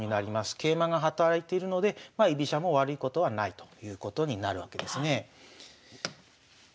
桂馬が働いているのでまあ居飛車も悪いことはないということになるわけですね。